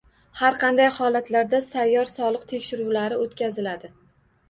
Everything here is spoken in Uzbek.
Qanday holatlarda sayyor soliq tekshiruvlari o‘tkaziladi?